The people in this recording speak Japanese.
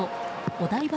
お台場